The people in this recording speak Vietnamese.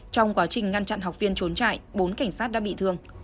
trong quá trình ngăn chặn học viên trốn chạy bốn cảnh sát đã bị thương